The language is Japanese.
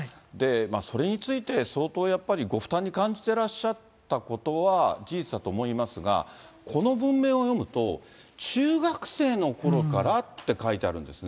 それについて、相当やっぱりご負担に感じてらっしゃったことは事実だと思いますが、この文面を読むと、中学生のころからって書いてあるんですね。